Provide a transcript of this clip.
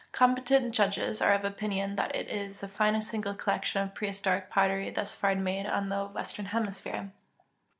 Competent judges are of opinion that it is the finest single collection of prehistoric pottery thus far made on the Western Hemisphere.